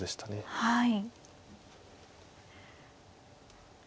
はい。